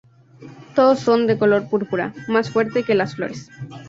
Todas son de color púrpura, más fuerte que las flores.